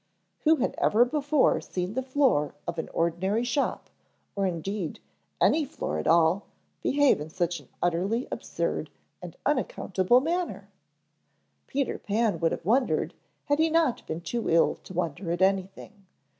Who had ever before seen the floor of an ordinary shop, or indeed, any floor at all, behave in such an utterly absurd and unaccountable manner? Peter Pan would have wondered had he not been too ill to wonder at anything.